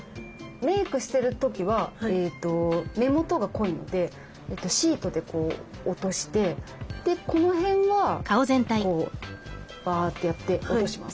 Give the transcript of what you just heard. メークをしてる時は目元が濃いのでシートで落としてこの辺はこうばっとやって落とします。